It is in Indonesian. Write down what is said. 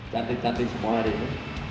cantik cantik semua hari ini